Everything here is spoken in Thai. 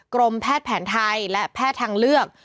กรมแพทย์แผนไทยและแพทย์ทางเลือก